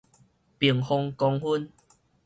平方公分